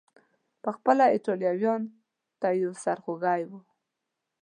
پخپله ایټالویانو ته یو سر خوږی و.